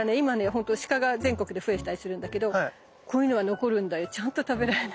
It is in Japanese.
ほんとシカが全国で増えてたりするんだけどこういうのは残るんだよちゃんと食べられないで。